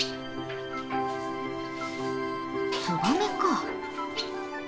ツバメか。